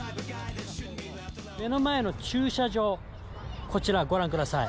目の前の駐車場、こちらご覧ください。